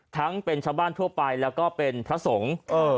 ทั้งเป็นชาวบ้านทั่วไปแล้วก็เป็นพระสงฆ์เออ